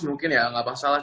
mungkin ya gak masalah